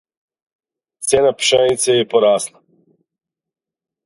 Цијена пшенице је порасла.